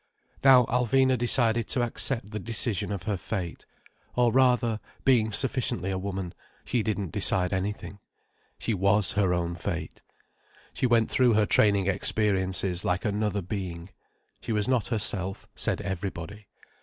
Now Alvina decided to accept the decision of her fate. Or rather, being sufficiently a woman, she didn't decide anything. She was her own fate. She went through her training experiences like another being. She was not herself, said Everybody.